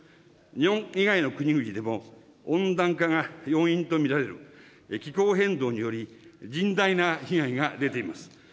日本以外の国々でも、温暖化が要因と見られる気候変動により、甚大な被害が出ています。